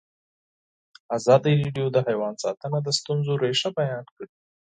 ازادي راډیو د حیوان ساتنه د ستونزو رېښه بیان کړې.